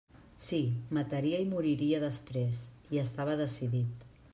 Sí; mataria i moriria després; hi estava decidit.